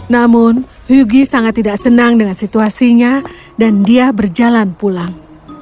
namun yugi sangat tidak senang dengan situasinya dan dia berjalan pulang